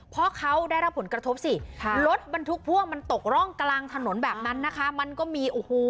เพราะเขาได้รับผลกระทบสิรถบรรทุกพ่วงมันตกร่องกลางถนนแบบนั้นนะคะมันก็มีโอ้โห